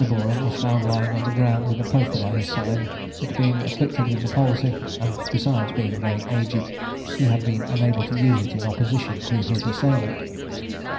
Boreham was found lying on the ground with a poker by his side; but being afflicted with the palsy, and being besides very aged, he had been unable to use it in opposition to his assailant.